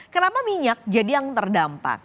kenapa minyak jadi yang terdampak